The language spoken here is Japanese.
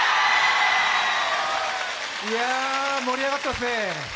いや、盛り上がってますね。